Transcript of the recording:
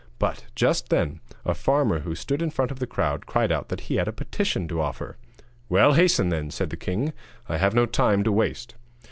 But, just then, a farmer who stood in front of the crowd cried out that he had a petition to offer. 'Well, hasten then,' said the king; 'I have no time to waste.'